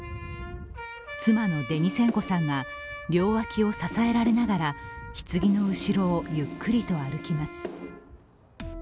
妻のデニセンコさんが両脇を支えられながらひつぎの後ろをゆっくりと歩きます。